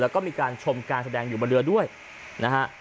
ที่การชมการแสดงอยู่บนเรือด้วยนะฮะ